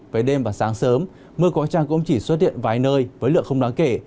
về đêm và sáng sớm mưa có trăng cũng chỉ xuất hiện vài nơi với lượng không đáng kể